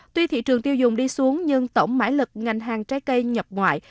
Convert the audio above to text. tuy thị trường tiêu dùng đi xuống nhưng tổng mãi lực ngành hàng trái cây nhập ngoại